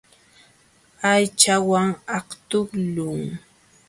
Aychawan aqtuqlun.